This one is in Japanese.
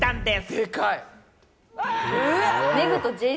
でかい！